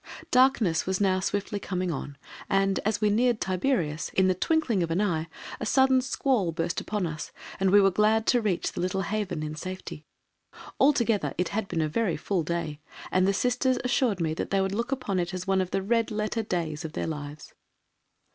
Darkness was now swiftly coming on and, as we neared Tiberias, in the twinkling of an eye, a sudden squall burst upon us, and we were glad to reach the little haven in safety. Altogether it had been a very full day and the Sisters assured me that they would look upon it as one of the red letter days of their lives.